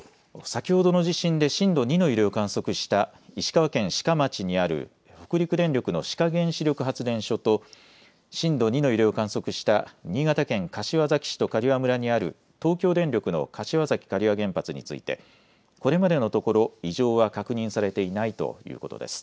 先ほどの地震で震度２の揺れを観測した石川県志賀町にある北陸電力の志賀原子力発電所と、震度２の揺れを観測した新潟県柏崎市と刈羽村にある東京電力の柏崎刈羽原発について、これまでのところ、異常は確認されていないということです。